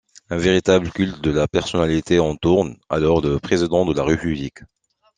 Un véritable culte de la personnalité entoure alors le Président de la République.